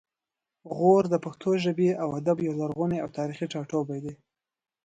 غور د پښتو ژبې او ادب یو لرغونی او تاریخي ټاټوبی دی